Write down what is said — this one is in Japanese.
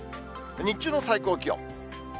日中の最高気温。